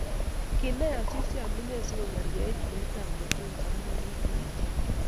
kinai Asisi omunee sikokerkeit meetab profesa ak nebo Geiji